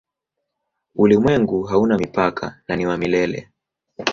Ulimwengu hauna mipaka na ni wa milele.